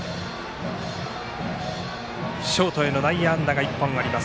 ショートへの内野安打が１本あります